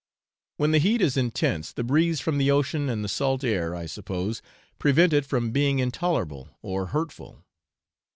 When the heat is intense, the breeze from the ocean and the salt air, I suppose, prevent it from being intolerable or hurtful.